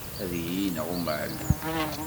Ad iyi-ineɣ umɛellem.